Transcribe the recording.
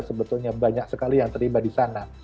sebetulnya banyak sekali yang terlibat di sana